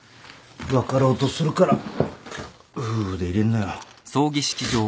分かろうとするから夫婦でいれんのよ。